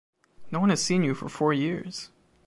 No one has seen you for four years.